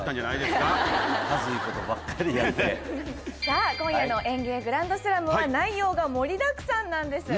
さあ今夜の『ＥＮＧＥＩグランドスラム』は内容が盛りだくさんなんです。